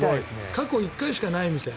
過去１回しかないみたい。